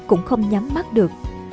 cũng không nhắm mắt được